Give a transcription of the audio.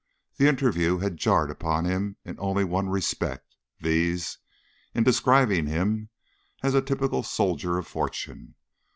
The interview had jarred upon him in only one respect viz., in describing him as a "typical soldier of fortune."